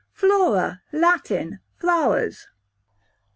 Flora, Latin, flowers.